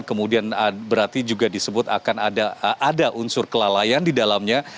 kemudian berarti juga disebut akan ada unsur kelalaian di dalamnya